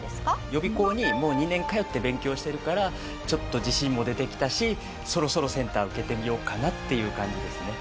予備校にもう２年通って勉強してるからちょっと自信も出てきたしそろそろセンター受けてみようかなっていう感じですね。